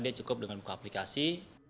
dia cukup dengan buka aplikasi